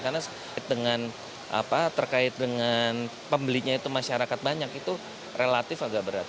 karena terkait dengan pembelinya itu masyarakat banyak itu relatif agak berat